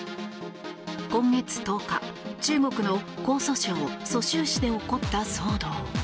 今月１０日、中国の江蘇省蘇州市で起こった騒動。